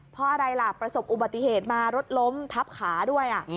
เพราะอะไรล่ะประสบอุบัติเหตุมารถล้มทับขาด้วย